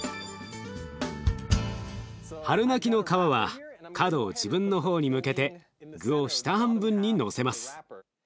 春巻きの皮は角を自分の方に向けて具を下半分にのせます。